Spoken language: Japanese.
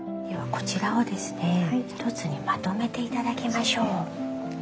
ではこちらをですね一つにまとめて頂きましょう。